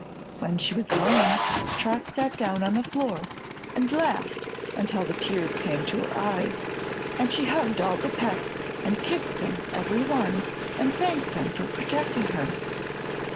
When she was alone Trot sat down on the floor and laughed until the tears came to her eyes, and she hugged all the pets and kissed them every one and thanked them for protecting her.